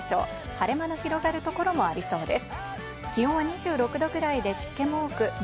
晴れ間の広がるところもありそうです。